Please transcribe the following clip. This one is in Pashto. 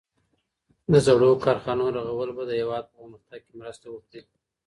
د زړو کارخانو رغول به د هیواد په پرمختګ کي مرسته وکړي.